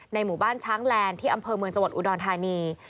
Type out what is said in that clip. หมู่บ้านช้างแลนด์ที่อำเภอเมืองจังหวัดอุดรธานี